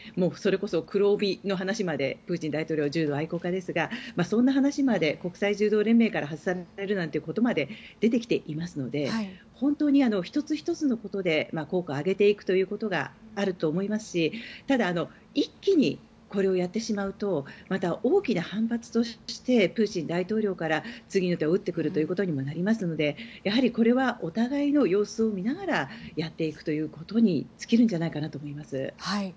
それこそ黒帯の話までプーチン大統領は柔道愛好家ですがそんな話まで国際柔道連盟から外されるなんて話まで出てきていますので本当に１つ１つのことで効果を上げていくということがあると思いますしただ一気にこれをやってしまうとまた大きな反発としてプーチン大統領から次の手を打ってくるということにもなりますのでやはりこれはお互いの様子を見ながらやっていくということに尽きるんじゃないかなと思います。